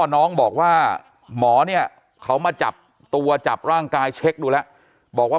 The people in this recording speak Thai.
น้องบอกว่าหมอเนี่ยเขามาจับตัวจับร่างกายเช็คดูแล้วบอกว่า